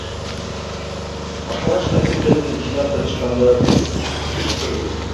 Башкалар штативдерин жыйнап жатышканда, биз күтүп турдук.